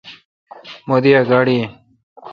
مہ دی ا گاڑی این۔